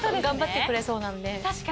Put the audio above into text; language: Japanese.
頑張ってくれそうなんで。